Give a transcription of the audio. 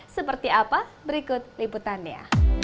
seperti apa berikut liputannya